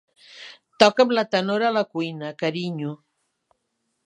Toca'm la tenora a la cuina, carinyo.